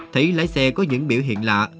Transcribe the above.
thấy lái xe có những biểu hiện lạ